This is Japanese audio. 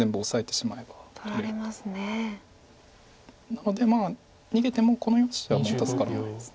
なので逃げてもこの４子はもう助からないです。